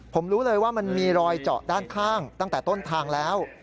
ผมรู้เลยว่ามันมีรอยเจาะด้านข้างตั้งแต่ต้นทางแล้ว